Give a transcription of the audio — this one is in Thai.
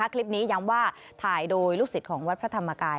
คลิปนี้ย้ำว่าถ่ายโดยลูกศิษย์ของวัดพระธรรมกาย